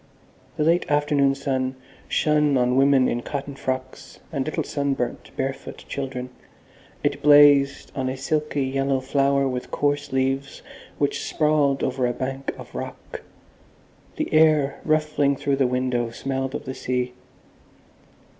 The late afternoon sun shone on women in cotton frocks and little sunburnt, barefoot children. It blazed on a silky yellow flower with coarse leaves which sprawled over a bank of rock. The air ruffling through the window smelled of the sea.